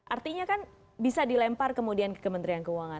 artinya kan bisa dilempar kemudian ke kementerian keuangan